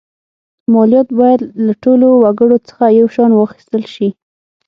مالیات باید له ټولو وګړو څخه یو شان واخیستل شي.